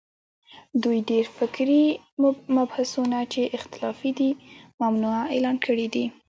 دوی ډېر فکري مبحثونه چې اختلافي دي، ممنوعه اعلان کړي دي